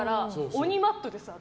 鬼マットです。